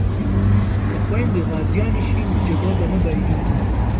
که خویندې غازیانې شي نو جګړه به نه بایلي.